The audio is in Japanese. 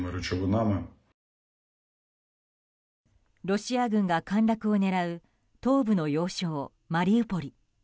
ロシア軍が陥落を狙う東部の要衝、マリウポリ。